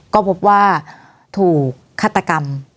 ก็พบว่าถูกฆาตกรรม